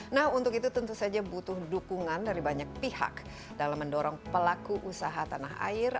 nah untuk itu tentu saja butuh dukungan dari banyak pihak dalam mendorong pelaku usaha tanah air